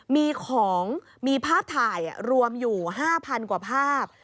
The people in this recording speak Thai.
มีของมีภาพถ่ายรวมอยู่๕๐๐กว่าภาพ